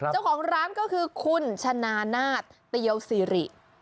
เจ้าของร้านก็คือคุณชนะนาฏเตียวสิริ